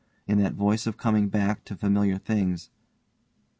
In that voice of coming back to familiar things.